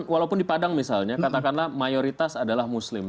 walaupun di padang misalnya katakanlah mayoritas adalah muslim